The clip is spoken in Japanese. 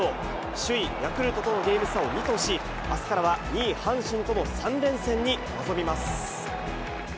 首位ヤクルトとのゲーム差を２とし、あすからは２位阪神との３連戦に臨みます。